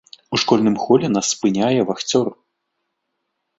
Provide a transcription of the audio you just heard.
У школьным холе нас спыняе вахцёр.